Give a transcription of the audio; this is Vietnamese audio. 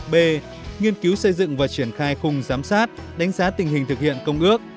b nghiên cứu xây dựng và triển khai khung giám sát đánh giá tình hình thực hiện công ước